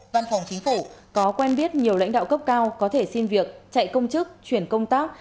văn phòng chính phủ có quen biết nhiều lãnh đạo cấp cao có thể xin việc chạy công chức chuyển công tác